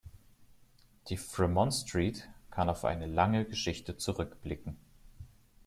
Die Fremont Street kann auf eine lange Geschichte zurückblicken.